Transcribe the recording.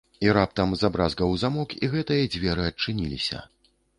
І раптам забразгаў замок, і гэтыя дзверы адчыніліся.